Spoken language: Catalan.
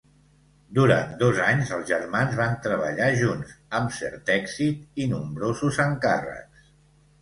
Durant dos anys els germans van treballar junts, amb cert èxit i nombrosos encàrrecs.